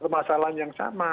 masalah yang sama